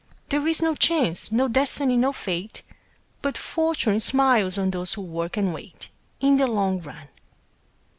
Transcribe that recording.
There is no Chance, no Destiny, no Fate, But Fortune smiles on those who work and wait, In the long run.